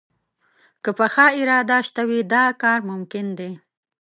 که پخه اراده شته وي، دا کار ممکن دی